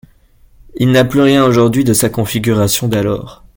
Il n’a plus rien aujourd’hui de sa configuration d’alors.